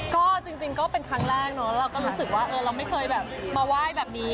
ก็จริงก็เป็นครั้งแรกเนอะเราก็รู้สึกว่าเราไม่เคยแบบมาไหว้แบบนี้